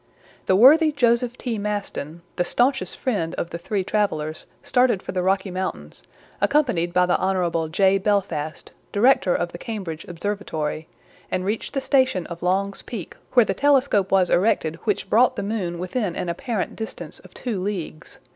The worthy Joseph T. Maston, the staunchest friend of the three travelers, started for the Rocky Mountains, accompanied by the Hon. J. Belfast, director of the Cambridge Observatory, and reached the station of Long's Peak, where the telescope was erected which brought the moon within an apparent distance of two leagues.